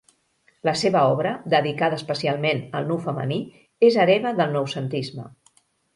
La seva obra, dedicada especialment al nu femení, és hereva del noucentisme.